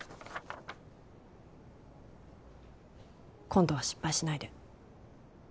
今度は失敗しないで。